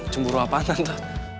cemburu apaan tante